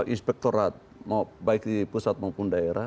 inspektorat baik di pusat maupun daerah